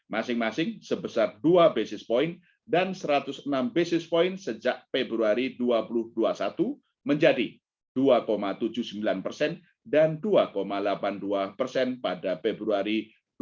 masing masing sebesar dua basis point dan satu ratus enam basis point sejak februari dua ribu dua puluh satu menjadi dua tujuh puluh sembilan persen dan dua delapan puluh dua persen pada februari dua ribu dua puluh